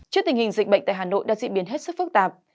trước tình hình dịch bệnh tại hà nội đã diễn biến hết sức phức tạp